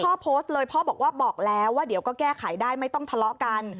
โพสต์เลยพ่อบอกว่าบอกแล้วว่าเดี๋ยวก็แก้ไขได้ไม่ต้องทะเลาะกัน